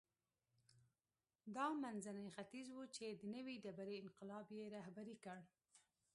دا منځنی ختیځ و چې د نوې ډبرې انقلاب یې رهبري کړ.